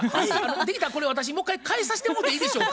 できたらこれ私も一回変えさせてもうていいでしょうか？